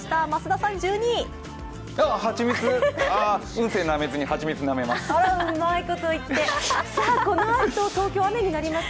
運勢なめずにはちみつなめます。